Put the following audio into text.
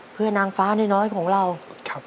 เพื่อนางฟ้าน้อยของเรา